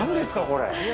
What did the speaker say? これ。